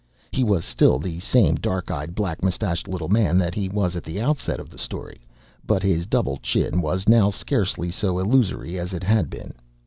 He was still the same dark eyed, black moustached little man that he was at the outset of the story, but his double chin was now scarcely so illusory as it had been.